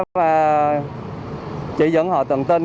và chỉ dẫn họ tận tình